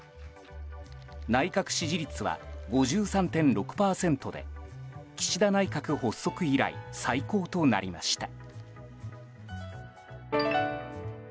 内閣支持率は５３．６％で岸田内閣発足以来最高となりました。